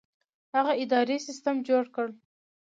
هغه اداري سیستم جوړ کړ.